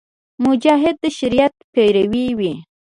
مجاهد د شریعت پیرو وي.